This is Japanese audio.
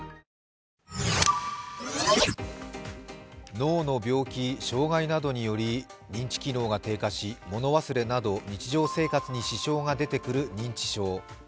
脳の病気・障害などにより認知機能が低下しもの忘れなど日常生活に支障が出てくる認知症。